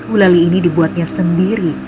ulali ini dibuatnya sendiri